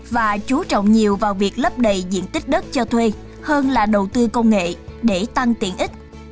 và chú trọng nhiều vào việc lấp đầy diện tích đất cho thuê hơn là đầu tư công nghệ để tăng tiện ích